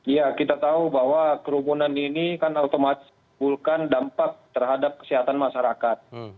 ya kita tahu bahwa kerumunan ini kan otomatis menimbulkan dampak terhadap kesehatan masyarakat